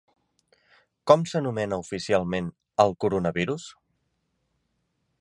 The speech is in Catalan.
Com s'anomena oficialment al coronavirus?